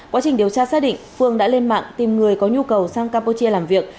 quá trình điều tra xác định phương đã lên mạng tìm người có nhu cầu sang campuchia làm việc